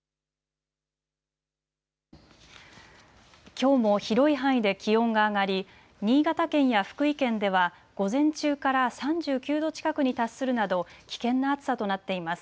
きょうも広い範囲で気温が上がり新潟県や福井県では午前中から３９度近くに達するなど危険な暑さとなっています。